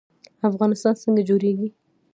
افغانستان څنګه جوړیږي؟